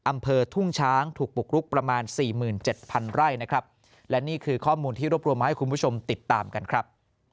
อำเภอทุ่งช้างถูกบุกรุกประมาณสี่หมื่นเจ็ดพันไร่นะครับและนี่คือข้อมูลที่รวบรวมมาให้คุณผู้ชมติดตามกันครับ